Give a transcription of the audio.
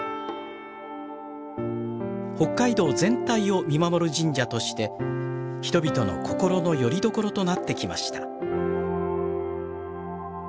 北海道全体を見守る神社として人々の心のよりどころとなってきました。